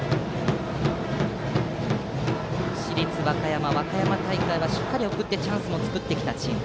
市立和歌山、和歌山大会はしっかり送ってチャンスも作ってきたチーム。